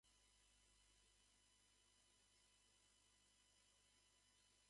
最後に君が見たのは、きらきらと輝く無数の瞳であった。